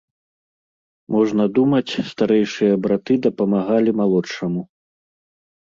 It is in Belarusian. Можна думаць, старэйшыя браты дапамагалі малодшаму.